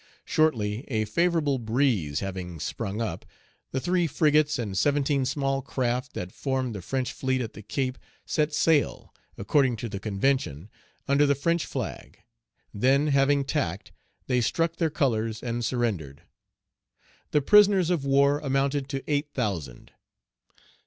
Shortly, a favorable breeze having sprung up, the three frigates and seventeen small craft that formed the French fleet at the Cape set sail, according to the convention, under the French flag; then having tacked, they struck their colors and surrendered. The prisoners of war amounted to eight thousand.